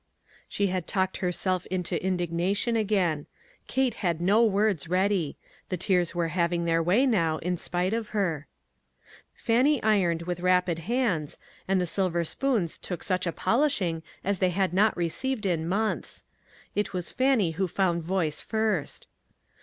She had talked herself into indignation again. Kate had no words ready. The tears were having their way now in spite of her. Fannie ironed with rapid hands, and the silver spoons took such a polishing as they had not received in months. It was Fan nie who found voice first.